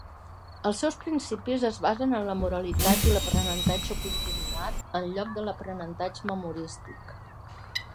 Els seus principis es basen en la moralitat i l'aprenentatge continuat, en lloc de l'aprenentatge memorístic.